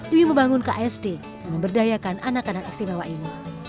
demi membangun ksd yang memberdayakan anak anak istimewa ini